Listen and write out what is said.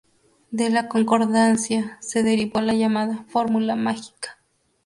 De la concordancia se derivó la llamada "fórmula mágica".